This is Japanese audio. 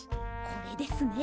これですね。